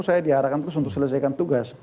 saya diarahkan terus untuk selesaikan tugas